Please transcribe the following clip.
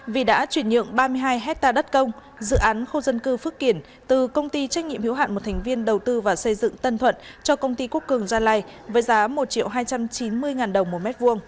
vì đã chuyển nhượng ba mươi hai hectare đất công dự án khu dân cư phước kiển từ công ty trách nhiệm hiếu hạn một thành viên đầu tư và xây dựng tân thuận cho công ty quốc cường gia lai với giá một hai trăm chín mươi ngàn đồng một m hai